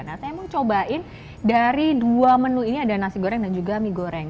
nah saya mau cobain dari dua menu ini ada nasi goreng dan juga mie goreng